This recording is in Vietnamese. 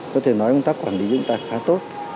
có thể nói chúng ta quản lý chúng ta khá tốt